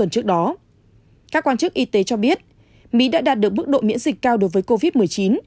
các quan chức y tế cho biết mỹ đã đạt được mức độ miễn dịch cao đối với covid một mươi chín